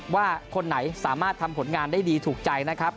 ว่าคนไหนสามารถทำผลงานได้ดีถูกใจนะครับ